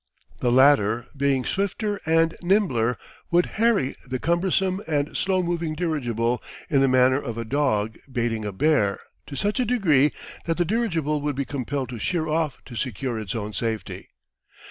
The latter, being swifter and nimbler, would harry the cumbersome and slow moving dirigible in the manner of a dog baiting a bear to such a degree that the dirigible would be compelled to sheer off to secure its own safety.